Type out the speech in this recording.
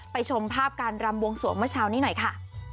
ชมภาพการรำบวงสวงเมื่อเช้านี้หน่อยค่ะ